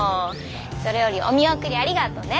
それよりお見送りありがとね。